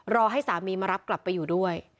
รอให้สามีมารับกลับไปอยู่ด้วย